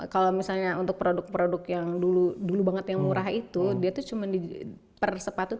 kalau misalnya untuk produk produk yang dulu dulu banget yang murah itu dia tuh cuman dipersepatu